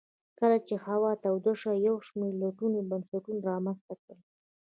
کله چې هوا توده شوه یو شمېر ټولنو بنسټونه رامنځته کړل